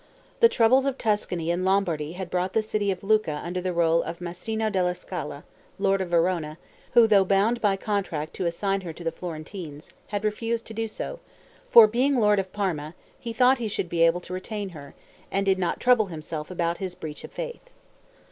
The troubles of Tuscany and Lombardy had brought the city of Lucca under the rule of Mastino della Scala, lord of Verona, who, though bound by contract to assign her to the Florentines, had refused to do so; for, being lord of Parma, he thought he should be able to retain her, and did not trouble himself about his breach of faith.